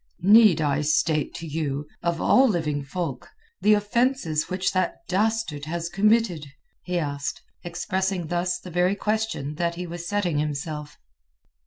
"Need I state to you—of all living folk—the offences which that dastard has committed?" he asked, expressing thus the very question that he was setting himself.